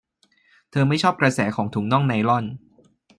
เธอไม่ชอบกระแสของถุงน่องไนลอน